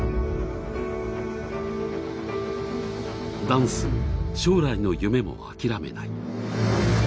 ダンスも将来の夢も諦めない。